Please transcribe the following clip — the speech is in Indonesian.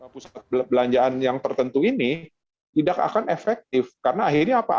pusat belanjaan yang tertentu ini tidak akan efektif karena akhirnya apa